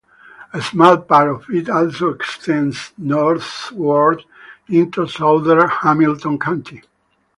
A small part of it also extends northward into southern Hamilton County.